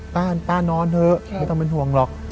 ป้านอนเถอะไม่ต้องเป็นห่วงหรอก